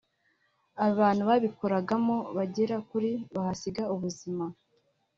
abantu babikoragamo bagera kuri bahasiga ubuzima